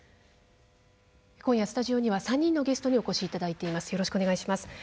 今夜スタジオには３人のゲストにお越しいただいています。